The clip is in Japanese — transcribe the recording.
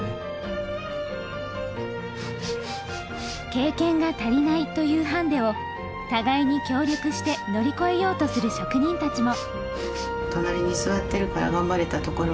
経験が足りないというハンディを互いに協力して乗り越えようとする職人たちも。